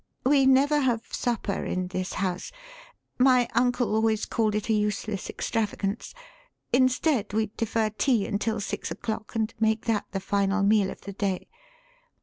We never have supper in this house my uncle always called it a useless extravagance. Instead, we defer tea until six o'clock and make that the final meal of the day.